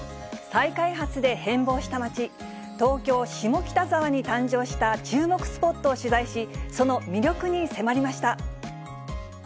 再開発で変貌した街、東京・下北沢に誕生した注目スポットを取材し、その魅力に迫りました。